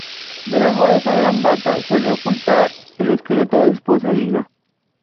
Debajo de esa gran bata solía ocultar el esqueleto de su esposa Eliza.